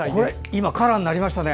今、カラーになりましたね。